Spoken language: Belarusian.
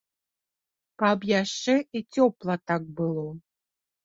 Каб яшчэ і цёпла так было.